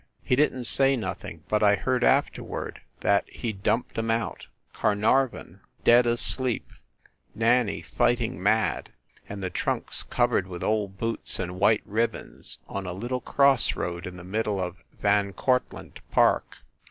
He didn t say nothing, but I heard afterward that he dumped em out, Carnarvon dead THE LIARS CLUB 83 asleep, Nanny fighting mad, and the trunks covered with old boots and white ribbons, on a little cross road in the middle of Van Cortlandt park.